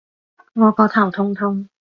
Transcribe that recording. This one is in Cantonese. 我個頭痛痛